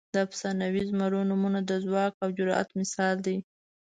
د افسانوي زمرو نومونه د ځواک او جرئت مثال دي.